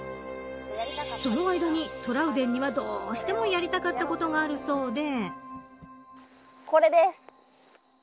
その間にトラウデンにはどうしてもやりたかったことがあるそうで。